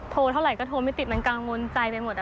เท่าไหร่ก็โทรไม่ติดมันกังวลใจไปหมด